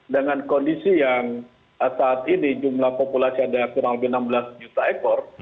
dengan kondisi yang saat ini jumlah populasi ada yang kurang lebih enam belas juta ekor